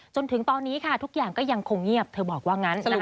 จนถึงตอนนี้ค่ะทุกอย่างก็ยังคงเงียบเธอบอกว่างั้นนะคะ